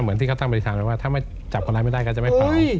เหมือนที่เขาตั้งบริการไว้ว่าถ้าไม่จับคนร้ายไม่ได้ก็จะไม่ไป